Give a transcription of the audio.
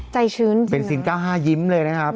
ใจชื้นจริงนะครับเป็นสิน๙๕ยิ้มเลยนะครับ